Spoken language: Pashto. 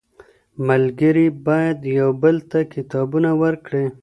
ملګري بايد يو بل ته کتابونه ورکړي.